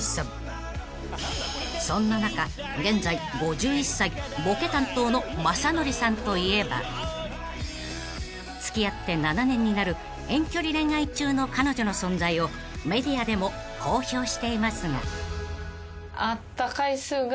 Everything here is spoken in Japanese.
［そんな中現在５１歳ボケ担当の雅紀さんといえば付き合って７年になる遠距離恋愛中の彼女の存在をメディアでも公表していますが］